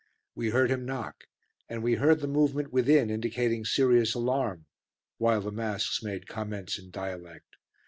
We heard him knock and we heard the movement within, indicating serious alarm, while the masks made comments in dialect.